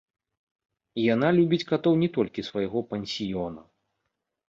Яна любіць катоў не толькі свайго пансіёна.